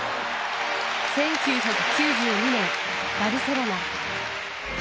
１９９２年、バルセロナ。